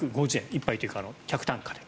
１杯というか客単価で。